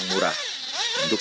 seru jago udah